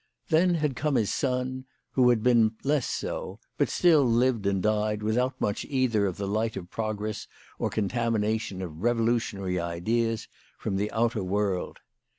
Then had come his son, who had been less so, but still lived and died without much either of the light of progress or contamination of revo lutionary ideas from the outer world.